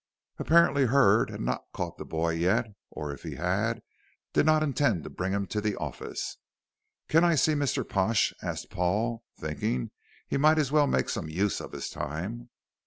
Apparently Hurd had not caught the boy yet, or if he had, did not intend to bring him to the office. "Can I see Mr. Pash?" asked Paul, thinking he might as well make some use of his time.